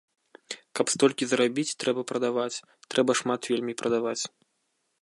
Каб столькі зарабіць трэба прадаваць, трэба шмат вельмі прадаваць.